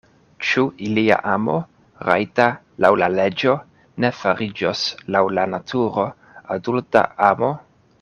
Ĉu ilia amo, rajta laŭ la leĝo, ne fariĝos laŭ la naturo adulta amo?